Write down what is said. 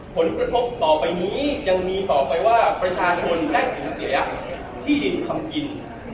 ผลกระทบต่อไปนี้ยังมีต่อไปว่าประชาชนได้สูญเสียที่ดินทำกิน